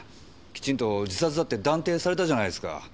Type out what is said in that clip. きちんと自殺と断定されたじゃないですか。